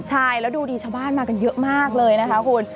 ใช่แล้วดูดีชาวบ้านมากันเยอะมากเลยนะคะคุณ